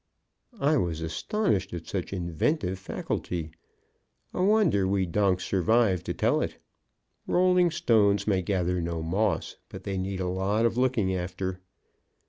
I was astonished at such inventive faculty. A wonder we donks survived to tell it. Rolling stones may gather no moss, but they need a lot of looking after.